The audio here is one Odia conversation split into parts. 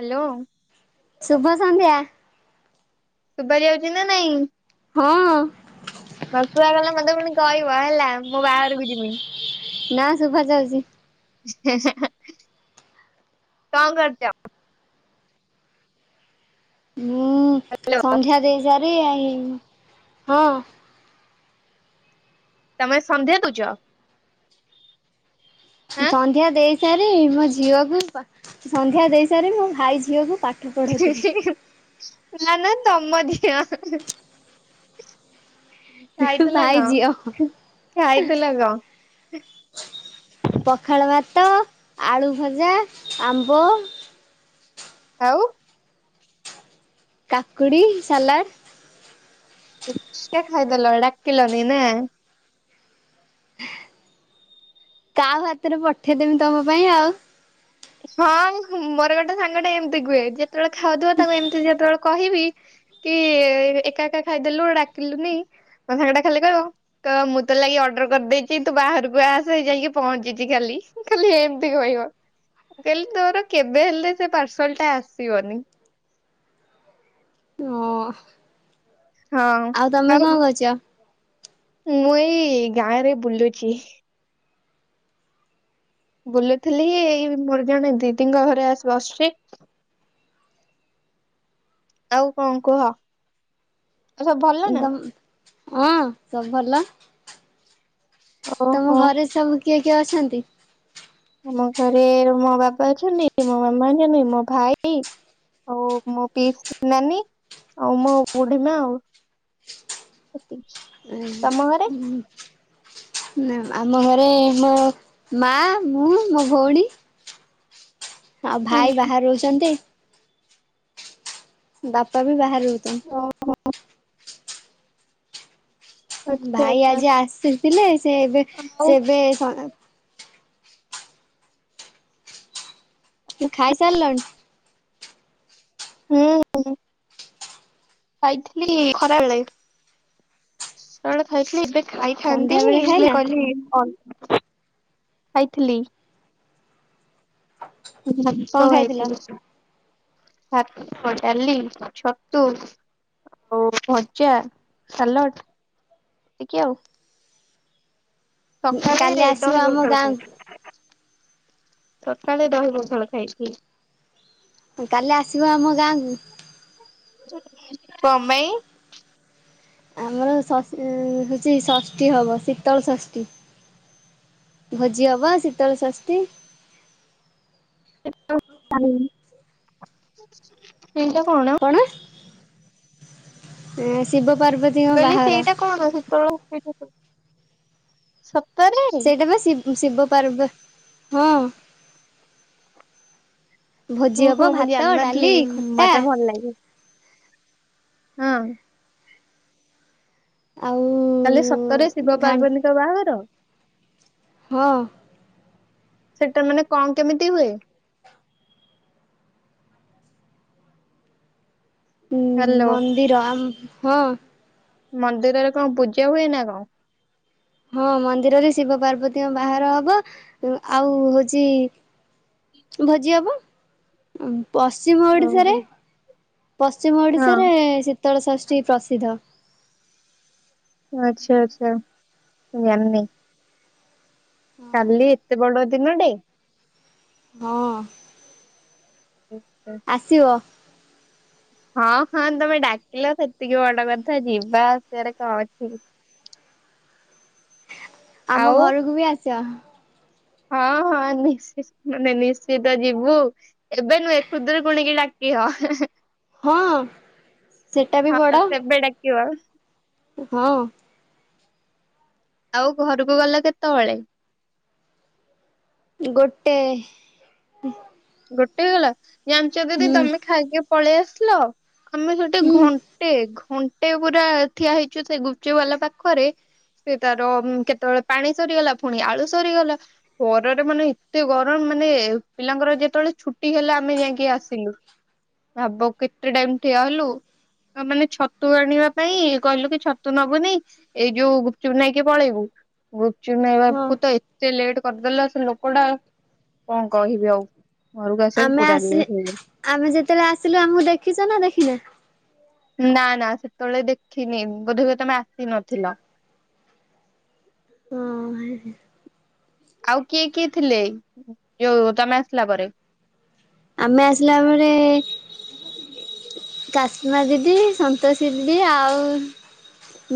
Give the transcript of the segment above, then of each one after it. ହାଲୋ। ଶୁଭ ସନ୍ଧ୍ୟା। ଶୁଭାର ଯାଉଚି ନା ନାଇଁ? ହୁଁ। ସନ୍ତୁଆ ଗଲେ ମତେ ପୁଣି କହିବ ହେଲା ମୁଁ ବାହାରକୁ ଯିମି ନା ଶୁଭା ଯାଉଚି। କଣ କରଚ଼? ମୁଁ ହ୍ୟାଲୋ ସନ୍ଧ୍ୟା ଦେଇ ସାରି ହଁ। ତମେ ସନ୍ଧ୍ୟା ଦଉଚ? ଆଁ ସନ୍ଧ୍ୟା ଦେଇ ସାରି ମୋ ଝିଅକୁ ସନ୍ଧ୍ୟା ଦେଇ ସାରି ମୋ ଭାଇ ଝିଅକୁ ପାଠ ପଢଉଥିଲି ନା ନା ତ ମ ଝିଅ। ଖାଇଥିଲ ଭାଇ ଝିଅ କଆଁ ଖାଇଥିଲ ଗାଅଁ ପଖାଳ ଭାତ, ଆଳୁ ଭଜା, ଆମ୍ବ ଆଉ କାକୁଡ଼ି ସାଲାଡ଼ ଏକା ଖାଇଦେଲ ଡାକିଲନି ନା କାଉ ହାତରେ ପଠେଇ ଦେବି ତମ ପାଇଁ ଆଉ ହଁ ମୋର ଗୋଟେ ସାଙ୍ଗ ଟେ ଏମିତି କୁହେ ଯେତେବେଳେ ଖାଉଥିବ ତାକୁ ଏମିତି ଯେତେବେଳେ କହିବି। କି ଏକା ଏକା ଖାଇଦେଲୁ ଡାକିଲୁନି ମୋ ସାଙ୍ଗ ଟା ଖାଲି କହିବ। ତ ମୁଁ ତ ଲାଗି ଅର୍ଡର କରିଦେଇଛି ତୁ ବାହାରକୁ ଆସ ଯାଇକି ପହଞ୍ଚିଚି ଖାଲି। ଖାଲି ଏମିତି କହିବ। ମୁଁ କହିଲି ତୋର କେବେ ହେଲେ ସେ ପାର୍ସଲ ଟା ଆସିବନି। ଓ ଆଉ ତମେ କଣ କରୁଚ? ମୁଁ ଏଇ ଗାଁରେ ବୁଲୁଛି। ବୁଲୁଥିଲି ଏଇ ମୋର ଜଣେ ଦିଦିଙ୍କ ଘରେ ଆସି ବସଛି। ଆଉ କଣ କୁହ? ସବୁ ଭଲ ନା ଦମ ହଁ ସବୁ ଭଲ। ଓହୋ ତମ ଘରେ ସବୁ କିଏ କିଏ ଅଛନ୍ତି? ଆମ ଘରେ ମୋ ବାପା, ଅଛନ୍ତି ମୋ ମାମା ଅଛନ୍ତି, ମୋ ଭାଇ। ଆଉ ମୋ ପିଇସୀ ନାନୀ ଆଉ ମୋ ବୁଢୀମା ଆଉ। ଏତିକି ତମ ଘରେ। ହୁଁ। ଆମ ଘରେ ମୋ ମା, ମୁଁ, ମୋ ଭଉଣୀ। ଆଉ ହୁଁ ଭାଇ ବାହାରେ ରହୁଛନ୍ତି। ବାପା ବି ବାହାରେ ରହୁଛନ୍ତି। [inaudible] ଆଚ୍ଛା ଭାଇ ଆଚ୍ଛା ଆଜି ଆସିଥିଲେ ସେ ଏବେ ଆଉ ସେ ଏବେ ସ କି ଖାଇ ସାରିଲଣି? ହୁଁ ହୁଁ। ଖାଇଥିଲି ଖରା ବେଳେ। ବେଳେ ଖାଇଥିଲି ଏବେ ସନ୍ଧ୍ୟା ଖାଇଥାନ୍ତି ବେଳେ ହେଲେ ଖାଇନା କହିଲି ଖାଇଥିଲି। କଣ ଖାଇଥିଲ? [inaudible] ଭାତ, ଡାଲି, ଛତୁ। ଆଉ ଭଜା, ସାଲଟ ଏତିକି ଆଉ। କାଲି ସକାଳେ ଆସିବ ଦହି ଆମ ପଖାଳ ଗାଁକୁ ଖାଇଥିଲି। ସକାଳେ ଦହି ପଖାଳ ଖାଇଥିଲି। କାଲି ଆସିବ ଆମ ଗାଁକୁ? କଣ ପାଇଁ? ଆମର ଷଷ୍ ହଉଛି ଷଷ୍ଠୀ ହବ ଶୀତଳ ଷଷ୍ଠୀ। ଭୋଜି ହବ ଶିତଳ ଷଷ୍ଠୀ। [unintelligible] ସେଇଟା କଣ? କଣ? ଆ ଶିବ ପାର୍ବତ ମୁଁ କହିଲି ସେଇଟା କଣ? ଶୀତଳ ଷଷ୍ଠୀ [unintelligible] ସେଇଟା ବା ଶିବ ଶିବ ପାର୍ବ ହଁ। ଭୋଜି ଓହୋ ହବ ମୁଁ ଭାତ ଜାଣିନଥିଲି ଡାଲି ଖଟା ମତେ ଭଲ ଲାଗେ। ହଁ। ଆଉ କାଲି ସତରେ ଶିବ ଘା ପାର୍ବତୀଙ୍କ ବାହାଘର। ହଁ। ସେଟା ମାନେ କଣ କେମିତି ହୁଏ? ହୁଁ ହ୍ୟାଲୋ ମନ୍ଦିର ଆମ ହଁ। ମନ୍ଦିରରେ କଣ ପୂଜା ହୁଏ ନା କଣ? ହଁ ମନ୍ଦିରରେ ଶିବ ପାର୍ବତୀଙ୍କ ବାହାର ହବ ଆଉ ହଉଛି ଭୋଜି ହବ। ପଶ୍ଚିମ ଓଡିଶାରେ ଓହୋ ପଶ୍ଚିମ ହଁ ଓଡିଶାରେ ସେ ଶୀତଳଷଷ୍ଠୀ ପ୍ରସିଦ୍ଧ। ଆଚ୍ଛା ଆଚ୍ଛା ଜାଣିନି। କାଲି ଏତେ ବଡ ଦିନଟେ। ହଁ। [unintelligible] ଆସିବ। ହଁ ହଁ ତମେ ଡାକିଲ ସେତିକି ବଡ କଥା ଯିବା ଆସିବାରେ କଣ ଅଛି। ଆମ ଆଉ ଘରକୁ ବି ଆସିବ। ହଁ ହଁ ନିଶ ମାନେ ନିଶ୍ଚିତ ଯିବୁ। ଏବେ ନୁହେଁ ଖୁଦୁରୁକୁଣୀ କି ଡାକି ହ ହଁ ହଁ। ହଁ ସେଟା ବି ହଁ ବଡ ସେବେ ଡାକିବା। ହଁ। ଆଉ ଘରକୁ ଗଲା କେତେବେଳେ। ଗୋଟେ। ଗୋଟେ ଗଲା ଜାଣିଛ ଦିଦି ହୁଁ ତମେ ଖାଇକି ପଳେଇ ଆସିଲ ଆମେ ସେଠି ହୁଁ ଘଣ୍ଟେ ଘଣ୍ଟେ ପୁରା ଠିଆ ହେଇଛୁ ସେ ଗୁପଚ ବାଲା ପାଖରେ। ସେ ତାର କେତେବେଳେ ପାଣି ସରିଗଲା ପୁଣି ଆଳୁ ସରିଗଲା। ପରରରେ ମାନେ ଏତେ ଗରମ ମାନେ ପିଲାଙ୍କର ଯେ ଯେତେବେଳେ ଛୁଟି ହେଲେ ଆମେ ଯାଇକି ଆସିଲୁ। ଭାବ କେତେ ଟାଇମ ଠିଆ ହେଲୁ ମାନେ ଛତୁ ଆଣିବା ପାଇଁ କହିଲୁ କି ଛତୁ ନବୁନି ଏଇ ଯୋଉ ଗୁପଚୁପ ନାଇଁକି ପଳେଇବୁ। ଗୁଚୁ ହଁ ନେଇବାକୁ ତ ଏତେ ଲେଟ୍ କରିଦେଲା ସେ ଲୋକ ଟା କଣ କହିବି ଆଉ। ଘରକୁ ଆସିବାକୁ ଆମେ ପୁରା ଆସି ଲେଟ୍ ହେଇଗଲା ଆମେ ଯେତେବେଳେ ଆସିଲୁ ଆମକୁ ଦେଖିଛ ନା ଦେଖିନା। ନା ନା ସେତେବେଳେ ଦେଖିନି ବୋଧେ ବି ତମେ ଆସି ନଥିଲ। ହଁ ଭ [inaudible] ଆଉ କିଏ କିଏ ଥିଲେ ଯୋଉ ତମେ ଆସିଲା ପରେ। ଆମେ ଆସିଲା ପରେ କାସ୍ମା ଦିଦି, ସନ୍ତୋଷୀ ଦିଦି ଆଉ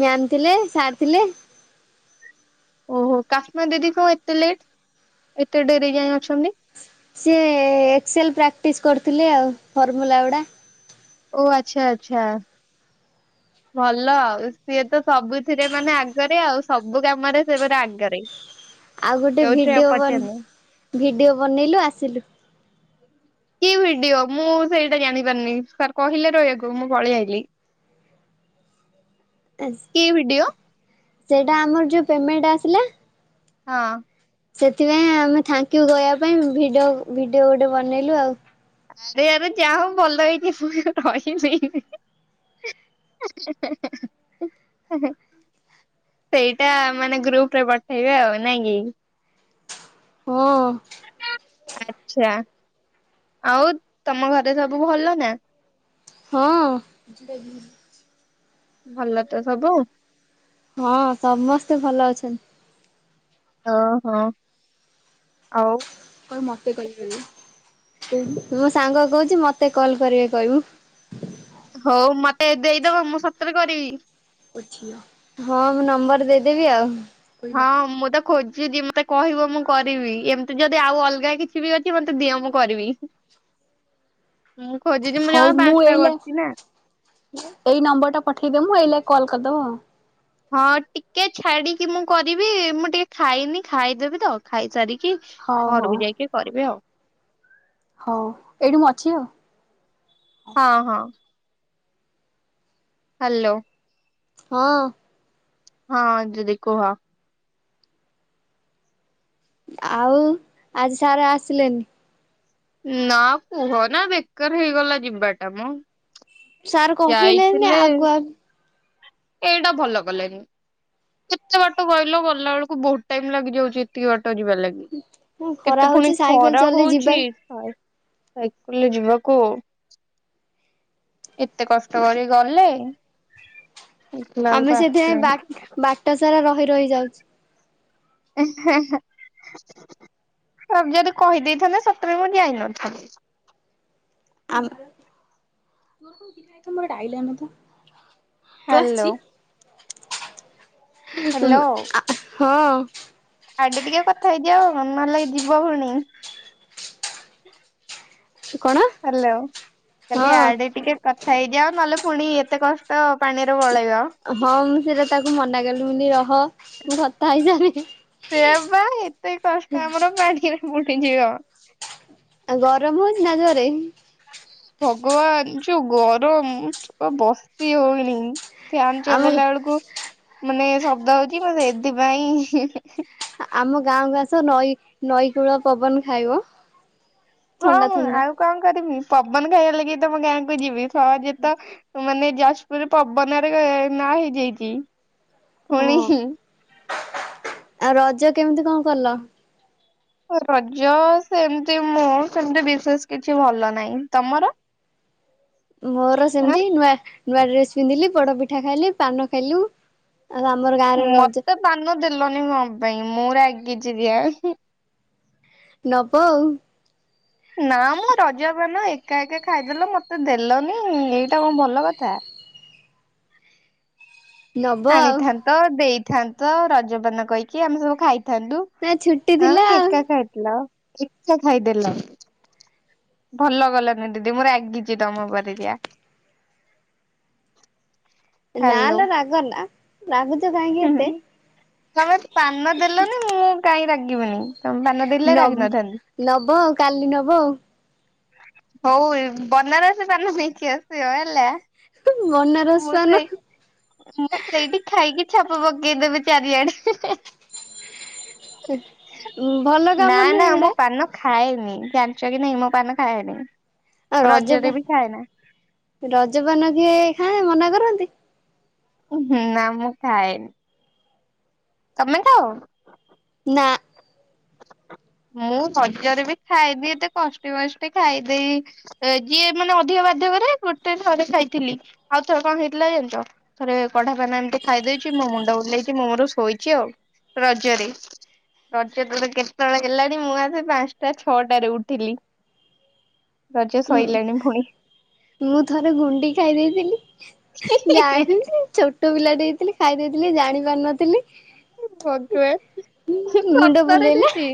ମ୍ୟାମ୍ ଥିଲେ ସାର୍ ଥିଲେ। ଓହୋ କାଶ୍ମୀ ଦିଦି କଣ ଏତେ ଲେଟ୍ ଏତେ ଡେରେ ଯାଇଏ ଅଛନ୍ତି। ସି ଏକ୍ସଲ୍ ପ୍ରାକ୍ଟିସ୍ କରୁଥିଲେ ଆଉ ଫର୍ମୁଲା ଗୁଡ଼ା। ଓ ଆଚ୍ଛା ଆଚ୍ଛା। ଭଲ ଆଉ ସିଏ ତ ସବୁଥିରେ ମାନେ ଆଗରେ ଆଉ ସବୁ କାମରେ ସେ ଆଗରେ। ଆଉ ଗୋଟେ ଯୋଉଥିରେ ଭିଡିଓ ବନ ପଚାରିଲେ ଭିଡିଓ ବନେଇଲୁ ଆସିଲୁ। କି ଭିଡିଓ ମୁଁ ସେଇଟା ଜାଣିପାରିନି ସାର୍ କହିଲେ ରହିବାକୁ ମୁଁ ପଳେଇ ଆଇଲି। ଆ କି ଭିଡିଓ? ସେଇଟା ଆମର ଯେଉଁ ପେମେଣ୍ଟ ଆସିଲା ହଁ। ସେଥିପାଇଁ ଆମେ ଥ୍ୟାଙ୍କୟୁ କହିବା ପାଇଁ ଭିଡ଼ିଓ ଭିଡ଼ିଓ ଗୋଟେ ବନେଇଲୁ ଆଉ। ଆରେ ଆ ଯାହା ହବ ଭଲ ହେଇଛିୁ ରଇନି। [inaudible] ସେଇଟା ମାନେ ଗ୍ରୁପ ରେ ପଠେଇବେ ଆଉ ନାଇଁ କି? ହଁ। ଆଛା ଆଉ ତମ ଘରେ ସବୁ ଭଲ ନା। ହଁ। ଭଲ ତ ସବୁ। ହଁ ସମସ୍ତେ ଭଲ ଅଛନ୍ତି। ଓ ହଁ ଆଉ। କଣ ମତେିବ ମୋ ସାଙ୍ଗ କହୁଛି ମତେ କଲ କରିବେ କହିବୁ। ହଉ ମତେ ଦେଇଦବ ମୁଁ ସତରେ କରିବି। ହଁ ମୁଁ ନମ୍ବର ଦେଇଦେବି ଆଉ। ହଁ ମୁଁ ତ ଖୋଜୁଛି ମତେ କହିବ ମୁଁ କରିବି ଏମିତି ଯଦି ଆଉ ଅଲଗା କିଛି ବି ଅଛି ମତେ ଦିଅ ମୁଁ କରିବି। ମୁଁ ଖୋଜିଚି ମୁଁ ହଉ ଜମା ପାଞ୍ଚଟା ଏଇଲେ କରିଛି ନା? ଏଇ ନମ୍ବର ଟା ପଠେଇଦେ ମୁଁ ଏଇଲାଗ କଲ୍ କରିଦବ ଆଉ। ହଁ ଟିକେ ଛାଡିକି ମୁଁ କରିବି ମୁଁ ଟିକେ ଖାଇନି ଖାଇଦେବି ତ। ଖାଇସାରିକି ହଉ ହଉ ଘରକୁ ଯାଇକି କରିବି ଆଉ। ହଉ ଏଇଠି ମୁଁ ଅଛି ଆଉ। ହଁ ହଁ। ହ୍ୟାଲୋ। ହଁ। ହଁ ଦିଦି କୁହ। ଆଉ ଆଜି ସାରେ ଆସିଲେନି? ନା କୁହନା ବେକାର ହେଇଗଲା ଯିବାଟା ମ! ସାର୍ କହିଲେନି ଯାଇଥିଲେ ଆଗୁଆ ଏଇଟା ଭଲ କଲେନି। କେତେ ବାଟ କହିଲୁ ଗଲା ବେଳକୁ ବହୁତ ଟାଇମ ଲାଗିଯାଉଚି ଏତିକି ବାଟ ଯିବା ଲାଗି। ଖରା କେତେ ହଉଛି ଫୁଣି ସାଇକେଲ ଖରା ଚଲେଇ ଯିବା ହଉଚି ସାଇକଲରେ ଯିବାକୁ ଏତେ କଷ୍ଟ କରି ଗଲେ ଦେଖିଲା ଆମେ ବେଳକୁ ସେଥିପାଇଁ ଆସିଲାନି। ବା ବାଟ ସାରା ରହି ରହି ଯାଉଛୁ। ସ ଯଦି କହିଦେଇଥାନ୍ତେ ସତେରେ ମୁଁ ଯାଇ ନ ଥାନ୍ତି। [unintelligible] ହ୍ୟାଲୋ। ଆସିଛି? ହଁ। ଆଗେ ଟିକେ କଥା ହେଇଜାଅ ନହେଲେ ଯିବ ଫୁଣି। କଣ? ହାଲୋ କାଲି ହଁ ଆଡେ ଟିକେ କଥା ହେଇଯାଅ ନହେଲେ ପୁଣି ଏତେ କଷ୍ଟ ପାଣିରେ ପଳେଇବ। ହଁ ମୁଁ ସେଇଟା ତାକୁ ମନା କଲି ମୁଁ କହିଲି ରହ ମୁଁ କଥା ହେଇସାରେ। ସେଆପା ଏତେ କଷ୍ଟ ଆମର ପାଣି ରେ ପଡ଼ିଯିବ। ଆଉ ଗରମ ହଉଛି ନା ଜୋରେ? ଭଗବାନ ଯୋଉ ଗରମ ବସି ହଉନି। ଫ୍ୟାନ ଆମ ଚଲେଇଲା ବେଳକୁ ମାନେ ଶବ୍ଦ ହଉଛି ମ ସେଥିପାଇଁ ଆମ ଗାଁକୁ ଆସ ନଈ ନଈକୂଳ ପବନ ଖାଇବ। ହଁ ଥଣ୍ଡା ମ ଥଣ୍ଡା ଆଉ କଣ କରମି ପବନ ଖାଇବା ଲାଗି ତମ ଗାଁକୁ ଯିବି ସହଯେ ତ ମାନେ ଯାଜପୁର ପବନରେ ନା ହେଇଯାଇଛି ହଁ ପୁଣି ଆଉ ରଜ କେମିତି କଣ କଲ? ରଜ ସେମିତି ମୁଁ ସେମିତି ବିଶେଷ କିଛି ଭଲ ନାହିଁ ତମର? [inaudible] ମୋର ଆଁ ସେମତି ନୂଆ ନୂଆ ଡ୍ରେସ ପିନ୍ଧିଲି ପୋଡ ପିଠା ଖାଇଲି ପାନ ଖାଇଲୁ। ଆଉ ଆମର ଗାଁରେ ରଜ ମତେ ପାନ ଦେଲନି କଣ ପାଇଁ ମୁଁ ରାଗିଚି ଜା ହିଁ? ନବ ଆଉ। ନା ମ ରଜ ପାନ ଏକା ଏକା ଖାଇଦେଲ ମତେ ଦେଲନି ଏଇଟା କଣ ଭଲ କଥା? ନବ ଆଉ। ଆଣିଥାନ୍ତ ଦେଇଥାନ୍ତ ରଜପାନ କହିକି ଆମେ ସବୁ ଖାଇଥାନ୍ତୁ। ନା ଛୁଟି ଥିଲା ଆଁ ଆଉ ଏକା ଖାଇଥିଲ ଏକା ଖାଇଦେଲ? ଭଲ କଲନି ଦିଦି ମୁଁ ରାଗିଛି ତମ ଉପରେ ଯା। [inaudible] ନାଲୋ ରାଗ ନା ରାଗୁଛ କାହିଁକି ଏତେ? ତମେ ପାନ ଦେଲନି ମୁଁ କାଇଁ ରାଗିବିନି? ତମେ ପାନ ଦେଲେ ନ ରାଗି ନଥାନ୍ତି। ନବ କାଲି ନବ ଆଉ। ହଉ ବନାରସୀ ପାନ ନେଇକି ଆସିବ ହେଲା। ହୁଁ ମୁଁ ବନାରସି ପାନ। ସେଇ ମୁଁ ସେଇଠି ଖାଇକି ଛାପ ପକେଇଦବି ଚାରିଆଡେ। ଭଲ ନା କାମ ନା ନୁହେଁ ମୁଁ ଏଡା। ପାନ ଖାଏନି ଜାଣିଛ କି ନାଇ ମୁ ପାନ ଖାଏନି। ଆ ରଜରେ ରଜପ ବି ଖାଏନା ରଜପାନ କିଏ ଖାଏ ମନା କରନ୍ତି? ହଁ ନା ମୁଁ ଖାଏନି। ତମେ ଖାଅ? ନା। ମୁଁ ରଜରେ ବି ଖାଏନି ଏତେ କଷ୍ଟେ ମଷ୍ଟେ ଖାଇଦେଇ ଏ ଯିଏ ମାନେ ଅଧିକ ବାଧ୍ୟ କରେ ଗୋଟେ ଥରେ ଖାଇଥିଲି। ଆଉ ଥରେ କଣ ହେଇଥିଲା ଜାଣିଚ? ଥରେ କଢା ପାନ ଏମିତି ଖାଇଦେଇଛି ମୋ ମୁଣ୍ଡ ବୁଲ୍ଲେଇଛି ମୁ ମୋର ଶୋଇଛି ଆଉ ରଜରେ। ରଜ ଦୋଳି କେତେବେଳେ ହେଲାଣି ମୁଁ ଆଜି ପାଞ୍ଚଟା ଛଅଟାରେ ଉଠିଲି। ରଜ ସଇଲାଣି ଫୁଣି। ମୁଁ ଥରେ ଗୁଣ୍ଡି ଖାଇ ଦେଇଥିଲି ଯାନିଛି ଛୋ ଟୁ ପିଲାଟେ ହେଇଥିଲି ଖାଇ ଦେଇଥିଲି ଜାଣି ପାରିନଥିଲି। [unintelligible] ମୁଣ୍ଡ ସତରେ ବୁଲେଇଲା ଦିଦି।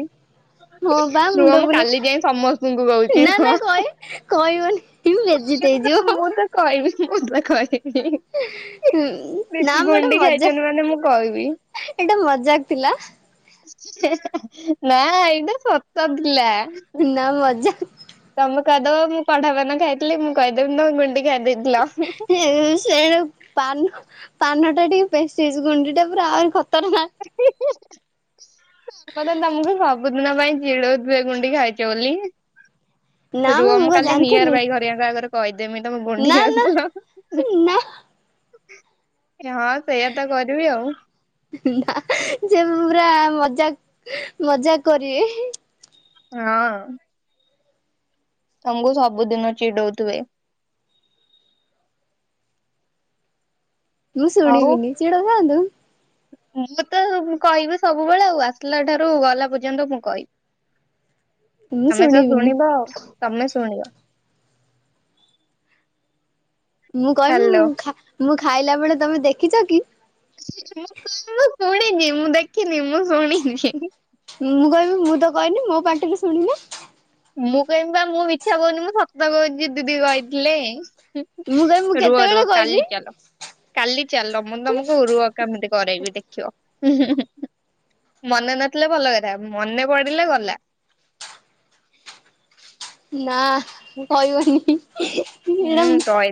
ହଁ ବା ରୁହ ମୁଣ୍ଡ ମୁଁ କାଲି ବୁଲେଇ ଯାଇ ସମସ୍ତ ଙ୍କୁ କହୁଛି ନା ହଁ ନା କହେ କହିବନି [unintelligible] ବେଜିତ୍ ହେଇଯିବ। କହିବି ମୁଁ ତ କହି ହୁଁ ସେଠି ଗୁଣ୍ଡି ଖାଇଛନ୍ତି ମାନେ ମୁଁ କହିବି। ଏଇଟା ମଜାକ୍ ଥିଲା। ନା ଏଇଟା ସତ ଥିଲା। ନା ମଜାକ୍। ତମେ କହିଦବ ମୁଁ କଢା ପାନ ଖାଇଥିଲି। ମୁଁ କହିଦେବି ତମେ ଗୁଣ୍ଡି ଖାଇଦେଇଥିଲ। ସେ-ଏ-ଏ ସେ ଯୋଉ ପାନ ପାନଟା ଟିକେ ପେସିଏସ୍ ଗୁଣ୍ଡି ଟା ପୁରା ଆହୁରି ଖତର ନାଁକ୍ [inaudible] ମତେ ତମକୁ ସବୁଦିନ ପାଇଁ ଚିଡଉଥିବେ ଗୁନ୍ଡି ଖାଇଛ ବୋଲି। ନା ରୁହ ମୁଁ କଣ କାଲି ନିଆର ଜାଣିଥିଲି ଭାଇ ଘରିଆଙ୍କ ଆଗରେ କହିଦେମି ତମେ ଗୁଣ୍ଡିି ନା ନା ଖାଉଥିଲ। ନା ହଁ ସେଇୟା ତ କରିବି ଆଉ। ନା ସେ ପୁରା ମଜାକ୍ ମଜାକ୍ କରିବେ। ହଁ। ତମଙ୍କୁ ସବୁଦିନ ଚିଡଉଥିବେ। ମୁୁଁ ଆଉ ଶୁଣିବିନି ଚିଡଉଥାଆନ୍ତୁ। ମୁଁ ତ କହିବି ସବୁବେଳେ ଆଉ ଆସିଲା ଠାରୁ ଗଲା ପର୍ଯ୍ୟନ୍ତ ମୁଁ କହିବି। ମୁଁ ତମେ ତ ଶୁଣିବିନି ଶୁଣିବ ତମେ ଶୁଣିବ। ମୁଁ କହିବି ହ୍ୟାଲୋ। ମୁଁ ଖା ଖାଇଲା ବେଳେ ତମେ ଦେଖିଛ କି। ମୁ କହିବି ମୁ ଶୁଣିିନି ମୁଁ ଦେଖିନି ମୁଁ ଶୁଣିନି। ମୁଁ କହିବି ମୁଁ ତ କହିନି ମୋ ପାଟିକୁ ଶୁଣିନ। ମୁଁ କହିମି ବା ମୁଁ ମିଛ କଉନି ମୁଁ ସତ କହୁଛି ଦିଦି କହିଥିଲେ। ମୁଁ କହିବି ମୁଁ ରୁହ ରୁହ କେତେବେଳେ କହିଲି କାଲି ଚାଲ। କାଲି ଚାଲ ମୁଁ ତମକୁ ରୁଅ କେମିତି କରେଇବି ଦେଖିବ। ମନେ ନଥିଲେ ଭଲ କଥା ମନେ ପଡିଲେ ଗଲା। ନା କହିବନି। ହୁଁ ଏଇଟା କହି